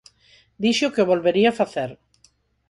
Dixo que o volvería facer.